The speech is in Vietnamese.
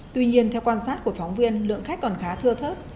tuy nhiên theo quan sát của phóng viên lượng khách còn khá thưa thớt